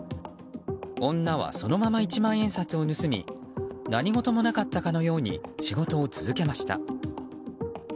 女は、そのまま一万円札を盗み何事もなかったかのように仕事を続けました。